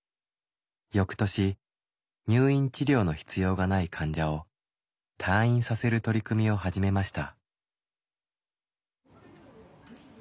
翌年入院治療の必要がない患者を退院させる取り組みを始めました。